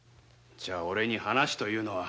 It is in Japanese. じゃオレに話というのは？